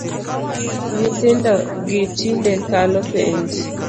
Nyithindo gi tinde kalo penj